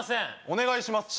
お願いします